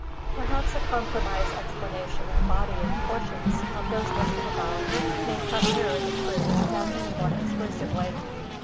Perhaps a compromise explanation embodying portions of those listed above may come nearer the truth than any one exclusively.